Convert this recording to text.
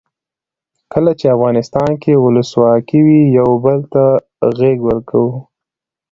کله چې افغانستان کې ولسواکي وي یو بل ته غیږ ورکوو.